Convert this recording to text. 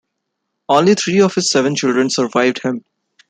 Only three of his seven children survived him.